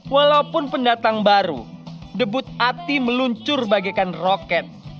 walaupun pendatang baru debut ati meluncur bagaikan roket